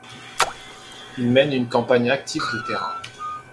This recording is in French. Il mène une campagne active de terrain.